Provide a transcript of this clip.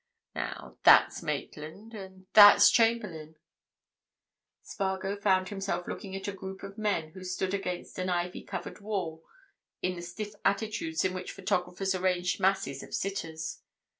Now, that's Maitland. And that's Chamberlayne." Spargo found himself looking at a group of men who stood against an ivy covered wall in the stiff attitudes in which photographers arrange masses of sitters.